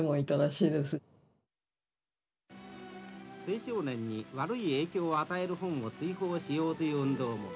「青少年に悪い影響を与える本を追放しようという運動も」。